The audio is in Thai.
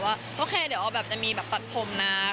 ว่าโอเคเดี๋ยวเอาแบบจะมีแบบตัดผมนะ